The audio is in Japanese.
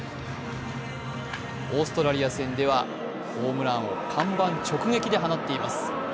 オーストラリア戦ではホームランを看板直撃で放っています。